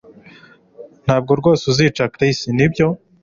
Ntabwo rwose uzica Chris nibyo